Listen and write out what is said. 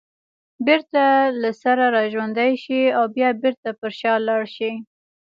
بېرته له سره راژوندي شي او بیا بېرته پر شا لاړ شي